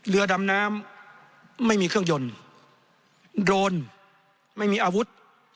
เรือดำน้ำไม่มีเครื่องยนต์โดรนไม่มีอาวุธ